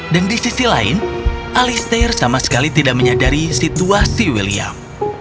dan di sisi lain alistair sama sekali tidak menyadari situasi william